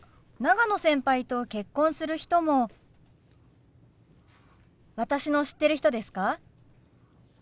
長野先輩と結婚する人も私の知ってる人ですか？